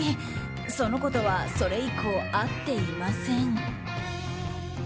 その子とは、それ以降会っていません。